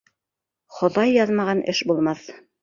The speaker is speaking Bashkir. Хоҙай яҙмаған эш булмаҫ.